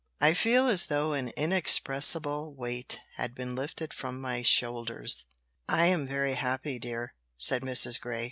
"I feel as though an inexpressible weight had been lifted from my shoulders; I'm very happy, dear," said Mrs. Grey.